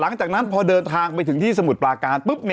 หลังจากนั้นพอเดินทางไปถึงที่สมุทรปลาการปุ๊บ